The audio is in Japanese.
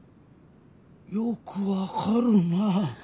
よく分かるな。